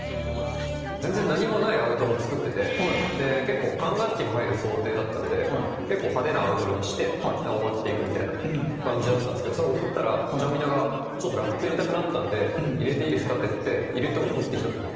全然何もないアウトロを作ってて結構管楽器も入る想定だったんで結構派手なアウトロにして終わっていくみたいな感じだったんですけどそれ送ったらちゃんみなが「ラップ入れたくなったんで入れていいですか？」って言って入れて送ってきたんですよ。